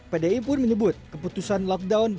pdi pun menyebut keputusan lockdown